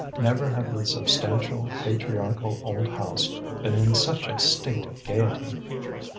Never had the substantial, patriarchal old house been in such a state of gaiety.